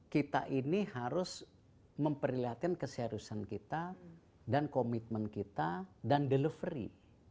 kita ini harus memperlihatkan keseriusan kita dan komitmen kita dan delivery